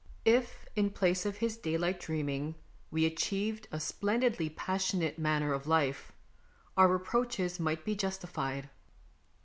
If, in place of his daylight dreaming, we achieved a splendidly passionate manner of life, our reproaches might be justified.